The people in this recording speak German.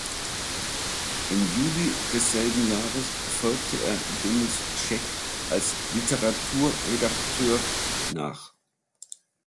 Im Juli desselben Jahres folgte er Denis Scheck als Literaturredakteur nach.